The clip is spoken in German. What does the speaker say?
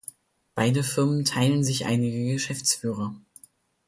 Beide Firmen teilen sich einige Geschäftsführer.